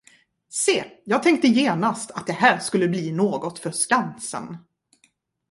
Se, jag tänkte genast, att det här skulle bli något för Skansen.